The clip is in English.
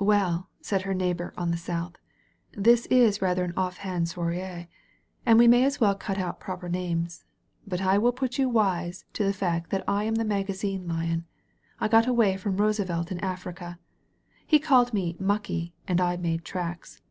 "Well," said her neighbor on the south, "thi^^ is rather an offhand sairSey and we may as well cut out proper names. But I will put you wise ta, the fact that I am the Magazine Lion. I got away from Roosevelt in Africa. He called me * Mucky,' and I made tracks.